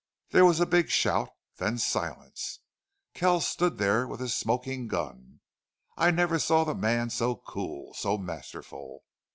There was a big shout, then silence. Kells stood there with his smoking gun. I never saw the man so cool so masterful.